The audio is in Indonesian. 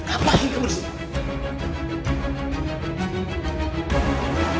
apa yang kamu disini